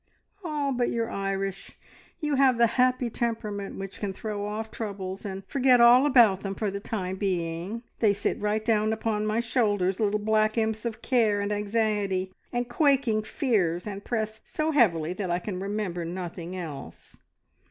"Ah, but you're Irish! You have the happy temperament which can throw off troubles and forget all about them for the time being. They sit right down upon my shoulders little black imps of care, and anxiety, and quaking fears, and press so heavily that I can remember nothing else.